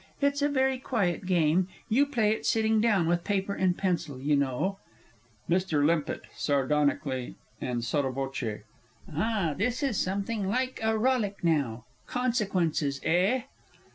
It's a very quiet game you play it sitting down, with paper and pencil, you know! MR. LIMPETT (sardonically, and sotto voce). Ah, this is something like a rollick now. "Consequences," eh?